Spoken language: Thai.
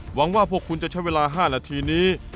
หวังว่าพวกคุณจะใช้เวลา๕นาทีนี้